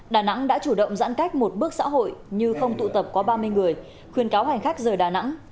đà nẵng đã chủ động giãn cách một bước xã hội như không tụ tập quá ba mươi người khuyên cáo hành khách rời đà nẵng